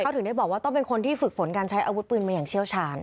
เขาถึงได้บอกว่าต้องเป็นคนที่ฝึกฝนการใช้อาวุธปืนมาอย่างเชี่ยวชาญ